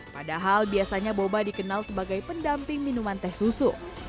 padahal biasanya boba dikenal sebagai pendamping minuman teh susu